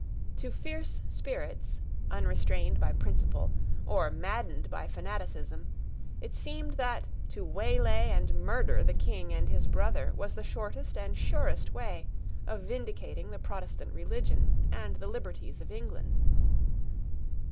To fierce spirits, unrestrained by principle, or maddened by fanaticism, it seemed that to waylay and murder the King and his brother was the shortest and surest way of vindicating the Protestant religion and the liberties of England.